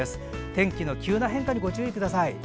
天気の急な変化にご注意ください。